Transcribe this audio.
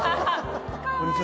こんにちは。